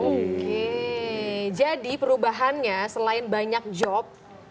oke jadi perubahannya selain banyak job